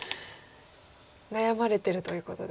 悩まれてるということで。